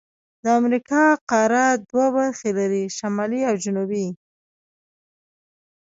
د امریکا قاره دوه برخې لري: شمالي او جنوبي.